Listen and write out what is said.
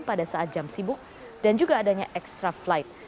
pada saat jam sibuk dan juga adanya extra flight